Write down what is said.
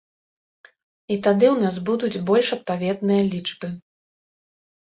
І тады ў нас будуць больш адпаведныя лічбы.